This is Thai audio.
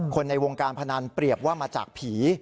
ในวงการพนันเปรียบว่ามาจากผี